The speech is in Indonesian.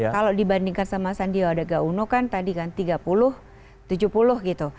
kalau dibandingkan sama sandiaga uno kan tadi kan tiga puluh tujuh puluh gitu